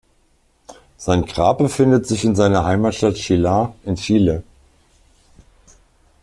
Sein Grab befindet sich in seiner Heimatstadt Chillán in Chile.